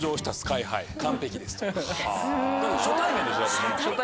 初対面でしょ？